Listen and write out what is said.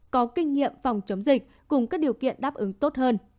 có kinh nghiệm phòng chống dịch cùng các điều kiện đáp ứng tốt hơn